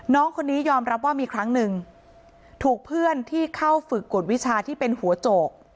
น้องคนนี้ยอมรับว่ามีครั้งหนึ่งถูกเพื่อนที่เข้าฝึกกฎวิชาที่เป็นหัวโจก